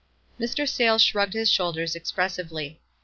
Mr. Sayles shrugged his shoulders express ively.